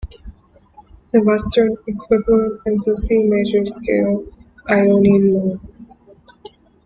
The Western equivalent is the C major scale, "Ionian mode".